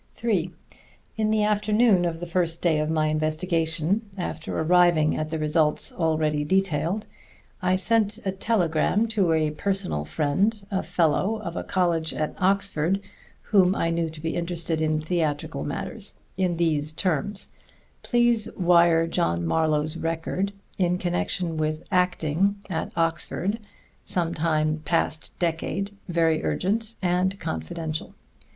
(3) In the afternoon of the first day of my investigation, after arriving at the results already detailed, I sent a telegram to a personal friend, a fellow of a college at Oxford, whom I knew to be interested in theatrical matters, in these terms: Please wire John Marlowe's record in connection with acting at Oxford some time past decade very urgent and confidential.